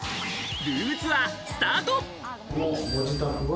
ルームツアースタート。